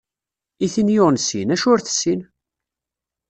I tin yuɣen sin, acu ur tessin?